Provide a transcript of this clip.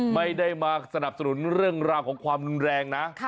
ไม่ได้มาสนับสนุนเรื่องราวของความรุนแรงนะ